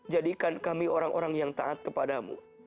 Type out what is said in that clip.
jadikan kami orang orang yang taat kepadamu